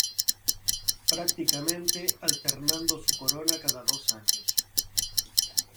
Prácticamente alternando su corona cada dos años.